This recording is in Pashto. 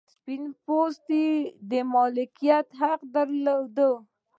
سپین پوستو د مالکیت حق درلود.